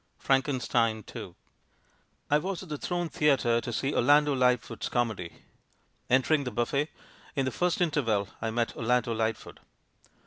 FRANKENSTEIN II I WAS at the Throne Theatre to see Orlando Lightfoot's comedy. Entering the buffet, in the first interval, I met Orlando Lightfoot.